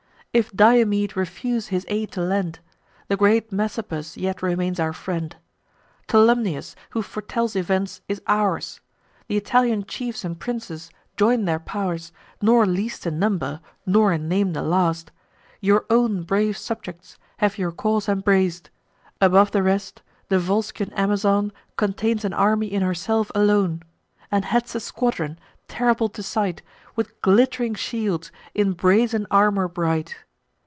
If Diomede refuse his aid to lend, The great Messapus yet remains our friend: Tolumnius, who foretells events, is ours; Th' Italian chiefs and princes join their pow'rs: Nor least in number, nor in name the last, Your own brave subjects have your cause embrac'd Above the rest, the Volscian Amazon Contains an army in herself alone, And heads a squadron, terrible to sight, With glitt'ring shields, in brazen armour bright.